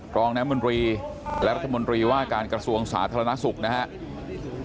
รองน้ำมนตรีและรัฐมนตรีว่าการกระทรวงสาธารณสุขนะครับ